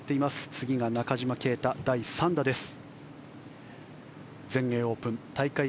次が中島啓太、第３打です。